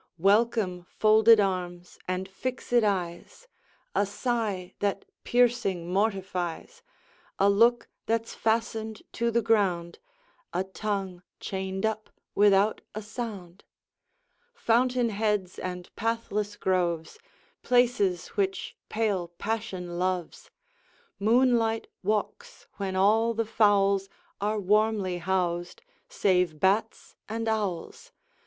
Welcome, folded arms, and fixèd eyes, A sigh that piercing mortifies, A look that's fastened to the ground, A tongue chained up without a sound! Fountain heads, and pathless groves, Places which pale passion loves! Moonlight walks when all the fowls Are warmly housed, save bats and owls!